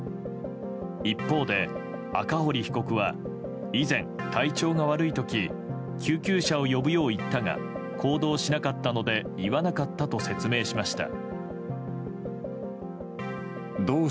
一方で、赤堀被告は以前、体調が悪い時救急車を呼ぶよう言ったが行動しなかったので言わなかったと説明しました。